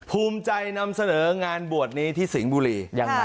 ภูมิใจนำเสนองานบวชนี้ที่สิงห์บุรียังไง